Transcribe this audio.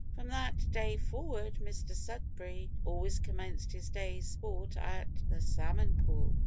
From that day forward Mr Sudberry always commenced his day's sport at the "Salmon Pool."